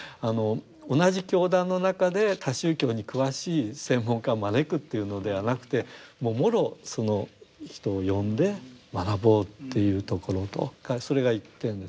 同じ教団の中で他宗教に詳しい専門家を招くというのではなくてもろその人を呼んで学ぼうというところそれが一点ですね。